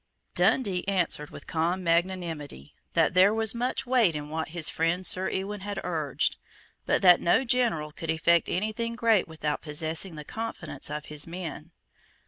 Dundee answered with calm magnanimity that there was much weight in what his friend Sir Ewan had urged, but that no general could effect any thing great without possessing the confidence of his men.